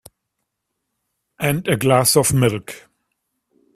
And a glass of milk.